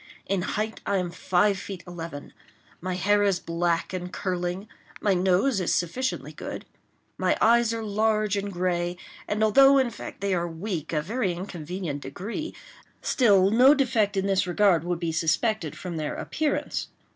In height I am five feet eleven. My hair is black and curling. My nose is sufficiently good. My eyes are large and gray; and although, in fact they are weak to a very inconvenient degree, still no defect in this regard would be suspected from their appearance.